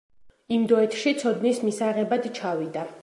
ინდოეთში ცოდნის მისაღებად ჩავიდა.